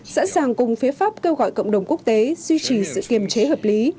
sẵn sàng cùng phía pháp kêu gọi cộng đồng quốc tế duy trì sự kiềm chế hợp lý